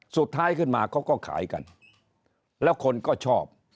สุดท้ายขึ้นมาเขาก็ขายกันแล้วคนก็ชอบ